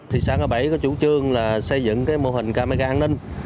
thị xã ngã bảy có chủ trương xây dựng mô hình camera an ninh